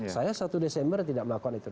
saya satu desember tidak melakukan itu